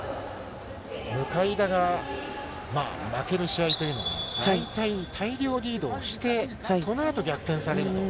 向田が負ける試合というのは大体大量リードしてそのあと逆転されると。